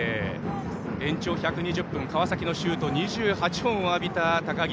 延長１２０分川崎のシュート２８本を浴びた高木。